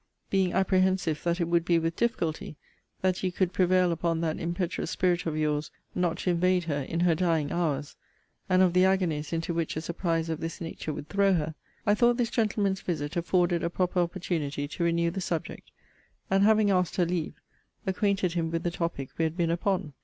Being apprehensive that it would be with difficulty that you could prevail upon that impetuous spirit of your's not to invade her in her dying hours, and of the agonies into which a surprise of this nature would throw her, I thought this gentleman's visit afforded a proper opportunity to renew the subject; and, (having asked her leave,) acquainted him with the topic we had been upon.